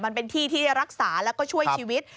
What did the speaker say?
มันเป็นที่ที่รักษาแล้วก็ช่วยชีวิต